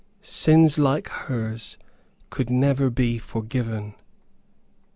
Sins like hers could never be forgiven.